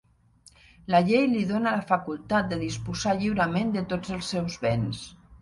La llei li dona la facultat de disposar lliurement de tots els seus béns.